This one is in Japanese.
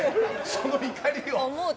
その怒りを。